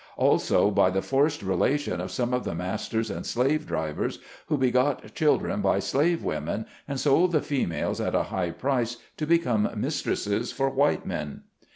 Also, by the forced relation of some of the masters and slave drivers, who begot children by slave women, and sold the females at a high price to become mis tresses for white men.